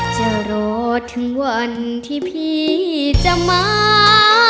จะรอถึงวันที่พี่จะมา